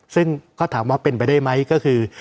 ซึ่งก็ถามว่าเป็นไปได้ไหมก็คือ